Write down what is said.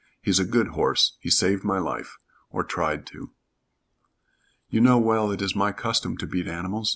He's a good horse he saved my life or tried to." "You know well it is my custom to beat animals.